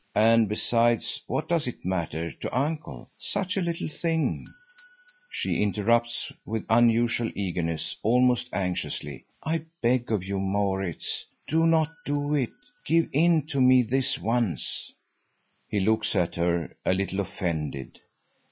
And besides, what does it matter to Uncle? Such a little thing—" She interrupts with unusual eagerness, almost anxiously. "I beg of you, Maurits, do not do it. Give in to me this once." He looks at her, a little offended.